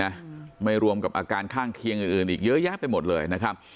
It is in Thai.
นะไม่รวมกับอาการข้างเคียงอื่นอื่นอีกเยอะแยะไปหมดเลยนะครับ